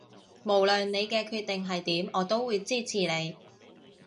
無論你嘅決定係點我都會支持你